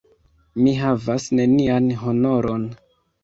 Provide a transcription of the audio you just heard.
Mi havas nenian honoron!